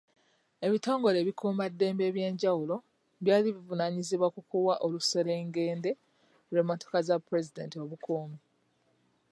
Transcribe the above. Ebitongole ebikuumaddembe eby'enjawulo byali bivunaanyizibwa ku kuwa oluseregende lw'emmotoka za pulezidenti obukuumi.